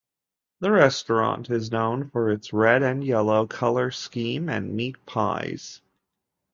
The restaurant is known for its red and yellow colour scheme and meat pies.